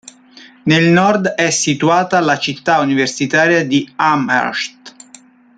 Nel nord è situata la città universitaria di Amherst.